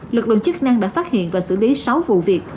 lực lượng chức năng đã phát hiện và xử lý sáu vụ việc